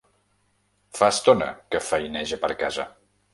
Fa estona que feineja per casa.